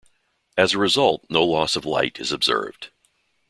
As a result, no loss of light is observed.